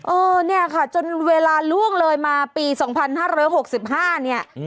เออเนี่ยค่ะจนเวลาล่วงเลยมาปี๒๕๖๕เนี่ย